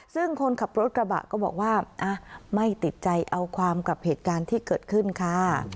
ซึ่งคนขับรถกระบะก็บอกว่าไม่ติดใจเอาความกับเหตุการณ์ที่เกิดขึ้นค่ะ